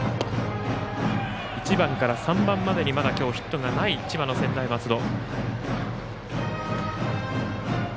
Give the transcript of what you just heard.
１番から３番までにまだ今日ヒットがない千葉の専大松戸。